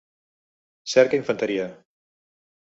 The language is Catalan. Cerca infanteria.